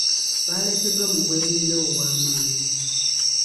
Baleeteddwa mu bwerinde obwamaanyi.